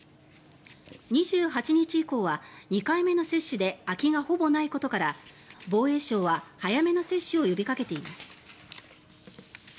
２８日以降は２回目の接種で空きがほぼないことから防衛省は早めの接種を呼びかけています。